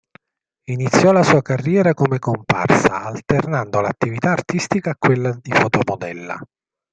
Iniziò la sua carriera come comparsa, alternando l'attività artistica a quella di fotomodella.